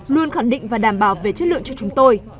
luôn khẳng định và đảm bảo về chất lượng cho chúng tôi